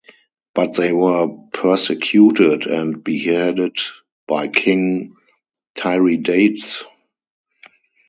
But they were persecuted and beheaded by King Tiridates.